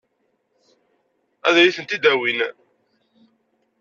Ad iyi-tent-id-awin?